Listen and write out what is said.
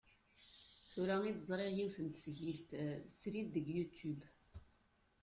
Tura i d-ẓriɣ yiwet n tesgilt srid deg Youtube.